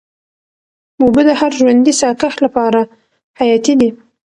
اوبه د هر ژوندي ساه کښ لپاره حیاتي دي.